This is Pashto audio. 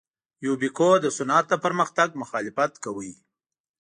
یوبیکو د صنعت د پرمختګ مخالفت کاوه.